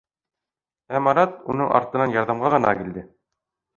Ә Марат уның артынан ярҙамға ғына килде.